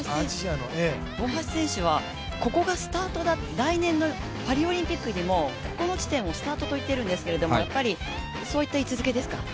大橋選手は、ここが来年のパリオリンピックにここの地点をスタートと言っているんですけれども、やっぱりそういった位置づけですか？